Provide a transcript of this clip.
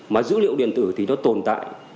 mà dữ liệu điện tử thì nó tồn tại